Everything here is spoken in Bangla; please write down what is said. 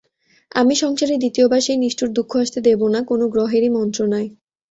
আমি সংসারে দ্বিতীয়বার সেই নিষ্ঠুর দুঃখ আসতে দেব না কোনো গ্রহেরই মন্ত্রণায়।